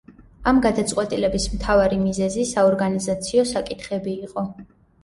ამ გადაწყვეტილების მთავარი მიზეზი საორგანიზაციო საკითხები იყო.